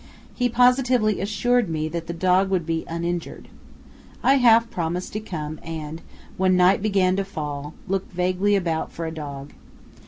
He positively assured me that the dog would be uninjured. I half promised to come and, when night began to fall, looked vaguely about for a dog.